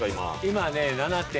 今ね。